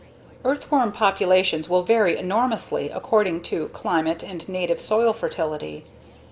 Earthworm populations will vary enormously according to climate and native soil fertility.